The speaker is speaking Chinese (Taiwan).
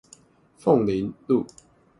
鳳林路